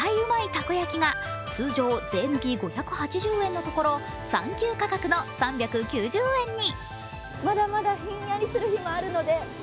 たこ焼が通常税抜き５８０円のところ、サンキュー価格の３９０円に。